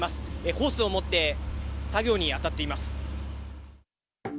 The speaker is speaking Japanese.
ホースを持って作業に当たっています。